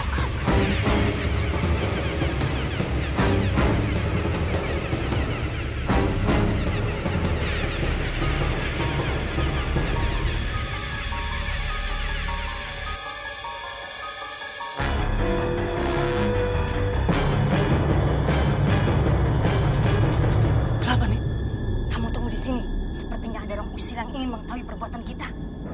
kelapa nih kamu tunggu di sini sepertinya ada orang usia yang ingin mengetahui perbuatan kita